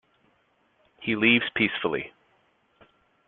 He leaves peacefully.